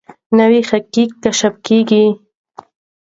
نوي حقایق کشف کیږي.